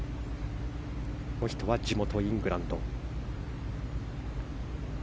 この人は地元イングランド。